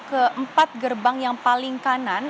ke empat gerbang yang paling kanan